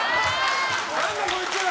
何だこいつ！